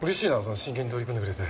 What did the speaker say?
真剣に取り組んでくれて。